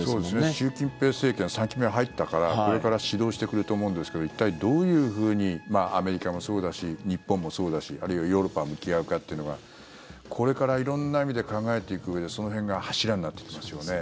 習近平政権３期目入ったからこれから始動してくると思うんですけど一体、どういうふうにアメリカもそうだし日本もそうだしあるいはヨーロッパが向き合うかというのがこれから色んな意味で考えていくうえでその辺が柱になってきますよね。